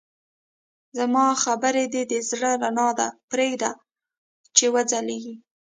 زما خبرې د زړه رڼا ده، پرېږده چې وځلېږي.